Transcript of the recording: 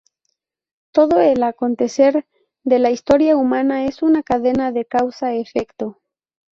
Todo el acontecer de la Historia humana es una cadena de causa-efecto.